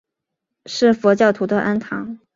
是佛教徒的庵堂。